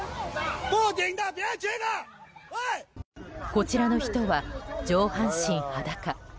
こちらの人は、上半身裸。